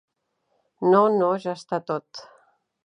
No no ja està tot.